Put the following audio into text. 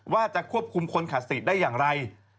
ว่าจะควบคุมคนขาดสิทธิ์ได้อย่างไร